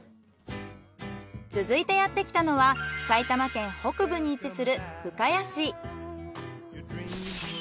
続いてやってきたのは埼玉県北部に位置する深谷市。